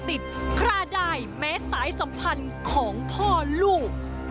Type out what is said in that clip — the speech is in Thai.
ติดพลาด่ายแม้สายสัมพันธ์ของพ่อลูก